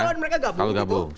kalau mereka gabung gitu